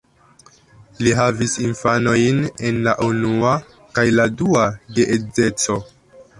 Li havis infanojn el la unua kaj la dua geedzeco.